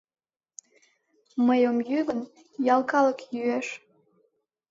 — Мый ом йӱ гын, ял калык йӱэш.